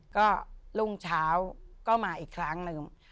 ก็รุ่งเช้าก็มาอีกครั้งหนึ่ง